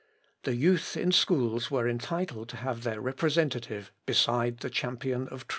The youth in schools were entitled to have their representative beside the champion of truth.